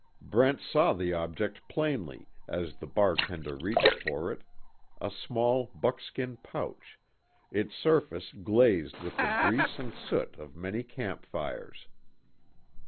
Brent saw the object plainly as the bartender reached for it, a small buckskin pouch, its surface glazed with the grease and soot of many campfires.